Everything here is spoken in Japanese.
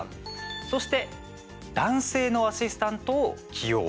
そして男性のアシスタントを起用。